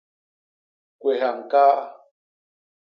Kwéha ñkaa.